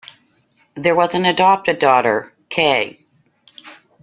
There was an adopted daughter, Kaye.